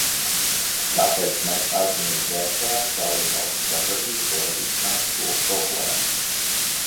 Tāpēc mēs atzinīgi vērtējam dalībvalstu sadarbību, lai risinātu šo problēmu.